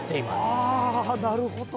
あぁなるほど！